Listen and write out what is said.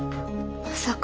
まさか。